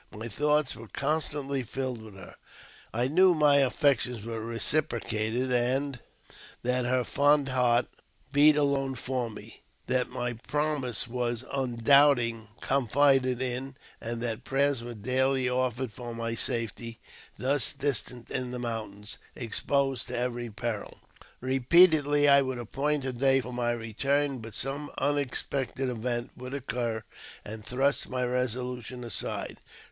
My thoughts were constantly filled with her. I knew my affections was reciprocated, and 136 AUTOBIOGBAPHY OF that her fond heart beat alone for me ; that my promise undoubtingly confided in, and that prayers were daily offered for my safety, thus distant in the mountains, exposed to every peril. Eepeatedly I would appoint a day for my return, but h some unexpected event would occur and thrust my resolution aside.